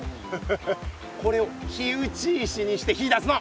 これを火打ち石にして火だすの。